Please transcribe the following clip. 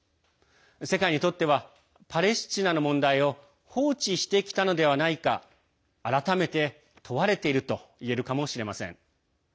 世界にとってはパレスチナの問題を放置してきたのではないか改めて問われているといえるかもしれません。